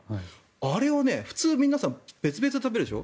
あれ、普通皆さん別々に食べるでしょ？